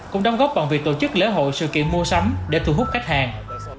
cũng đóng góp bằng việc tổ chức lễ hội sự kiện mua sắm để thu hút khách hàng